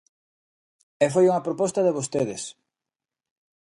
E foi unha proposta de vostedes.